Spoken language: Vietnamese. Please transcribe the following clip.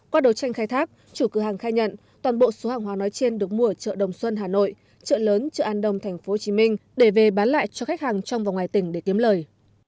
qua đấu tranh khai thác chủ cửa hàng khai nhận toàn bộ số hàng hóa nói trên được mua ở chợ đồng xuân hà nội chợ lớn chợ an đông tp hcm để về bán lại cho khách hàng trong và ngoài tỉnh để kiếm lời